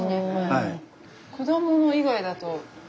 はい。